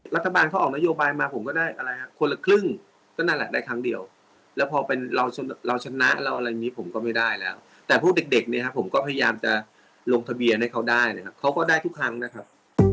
รัฐบาลเขาออกนโยบายมาผมก็ได้อะไรฮะคนละครึ่งก็นั่นแหละได้ครั้งเดียวแล้วพอเป็นเราชนะเราอะไรอย่างนี้ผมก็ไม่ได้แล้วแต่พวกเด็กเนี่ยครับผมก็พยายามจะลงทะเบียนให้เขาได้นะครับเขาก็ได้ทุกครั้งนะครับ